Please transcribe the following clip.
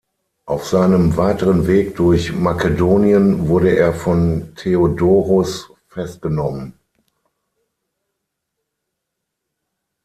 Auf seinem weiteren Weg durch Makedonien wurde er von Theodoros festgenommen.